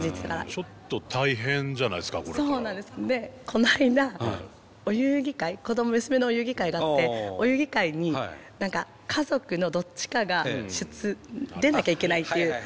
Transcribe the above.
こないだ娘のお遊戯会があってお遊戯会に家族のどっちかが出なきゃいけないっていう。